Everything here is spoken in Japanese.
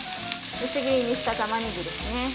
薄切りにしたたまねぎですね。